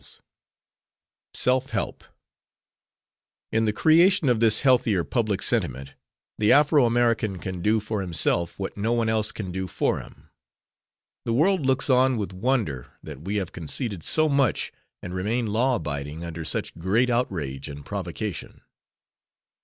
6 SELF HELP In the creation of this healthier public sentiment, the Afro American can do for himself what no one else can do for him. The world looks on with wonder that we have conceded so much and remain law abiding under such great outrage and provocation.